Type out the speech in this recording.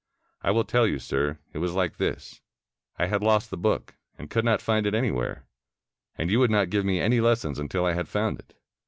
"I will tell you, sir. It was like this. I had lost the book, and could not find it anywhere, and you would not give me any lessons until I had found it.